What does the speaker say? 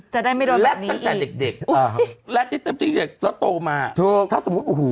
จะได้ไม่โดนแบบนี้อีกอีกและตั้งแต่เด็กและโตมาถ้าสมมุติโอ้โฮ